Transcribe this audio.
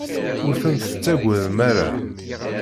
Ur ten-tettagadem ara.